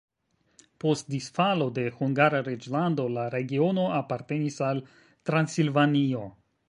Post disfalo de Hungara reĝlando la regiono apartenis al Transilvanio.